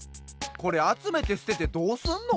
これあつめてすててどうすんの？